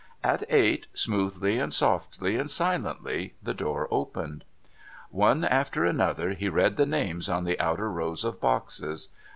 At eight, smoothly and softly and silently the door opened. One after another, he read the names on the outer rows of boxes.